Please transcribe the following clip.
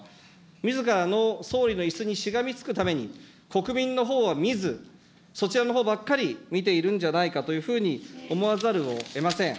みずからの総理のいすにしがみつくために、国民のほうは見ず、そちらのほうばかり見ているんじゃないかというふうに思わざるをえません。